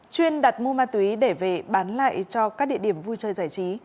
chuyên đặt mua ma túy để về bán lại cho các địa điểm vui chơi giải trí